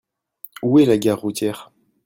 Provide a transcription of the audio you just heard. Où est la gare routière ?